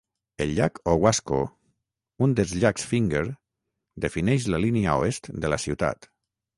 El llac Owasco, un dels llacs Finger, defineix la línia oest de la ciutat.